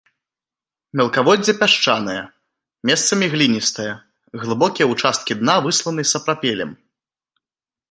Мелкаводдзе пясчанае, месцамі гліністае, глыбокія ўчасткі дна высланы сапрапелем.